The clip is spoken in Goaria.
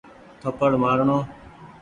ٿپڙ مآر ڻو۔